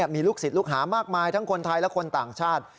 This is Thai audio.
มีลูกศิษย์ลูกหามากมายทั้งคนไทยและคนต่างชาติ